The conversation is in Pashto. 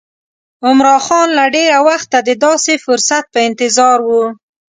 عمرا خان له ډېره وخته د داسې فرصت په انتظار و.